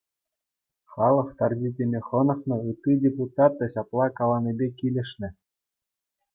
Халӑх тарҫи теме хӑнӑхнӑ ытти депутат та ҫапла каланипе килӗшнӗ.